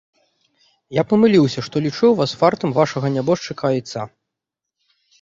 Я памыліўся, што лічыў вас вартым вашага нябожчыка айца.